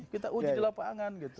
kita uji di lapangan gitu